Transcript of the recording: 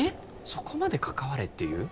そこまで関われって言う？